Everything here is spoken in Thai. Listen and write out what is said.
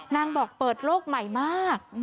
นางบอกเปิดโลกใหม่มาก